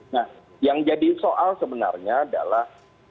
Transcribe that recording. nah yang jadi soal sebenarnya adalah